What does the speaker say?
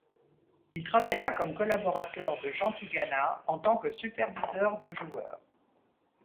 Il travailla comme collaborateur de Jean Tigana en tant que superviseur de joueurs.